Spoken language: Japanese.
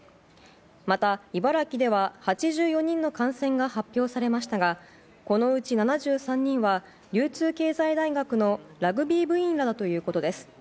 また、茨城では８４人の感染が発表されましたがこのうち７３人は流通経済大学のラグビー部員らだということです。